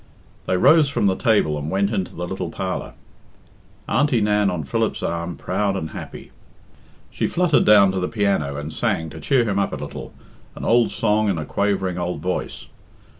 They rose from the table and went into the little parlour, Auntie Nan on Philip's arm, proud and happy. She fluttered down to the piano and sang, to cheer him up a little, an old song in a quavering old voice.